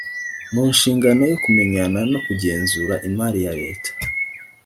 mu nshingano yo kumenya no kugenzura imari ya leta